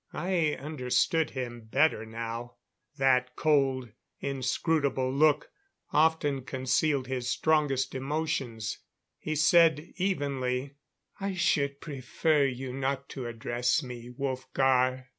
I understood him better now; that cold, inscrutable look often concealed his strongest emotions. He said evenly: "I should prefer you not to address me, Wolfgar.